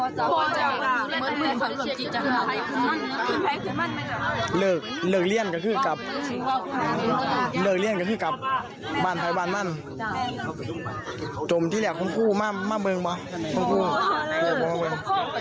ควบคุมไปและเพื่อนบอกว่าจะถูกไห้มาจากล้องมือด้าน